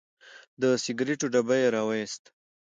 د سګریټو ډبی یې راوویست.